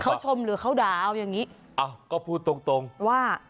เขาชมหรือเขาด่าเอาอย่างงี้อ้าวก็พูดตรงตรงว่า